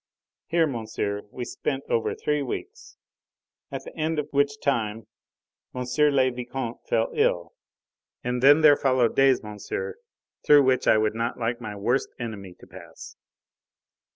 Here, monsieur, we spent over three weeks, at the end of which time M. le Vicomte fell ill, and then there followed days, monsieur, through which I would not like my worst enemy to pass.